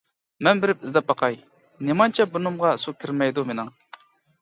مەن بېرىپ ئىزدەپ باقاي، نېمانچە بۇرنۇمغا سۇ كىرمەيدۇ مېنىڭ.